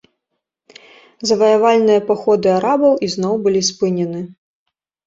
Заваявальныя паходы арабаў ізноў былі спынены.